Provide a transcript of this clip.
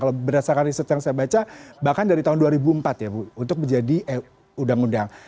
kalau berdasarkan riset yang saya baca bahkan dari tahun dua ribu empat ya bu untuk menjadi undang undang